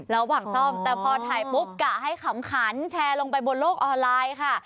ระหว่างซ่อมแต่พอถ่ายปุ๊บกะให้ขำขันแชร์ลงไปบนโลกออนไลน์ค่ะ